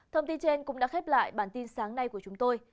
thông tin trên cũng đã khép lại bản tin sáng nay của chúng tôi